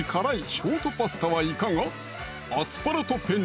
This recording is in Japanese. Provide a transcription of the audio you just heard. ショートパスタはいかが？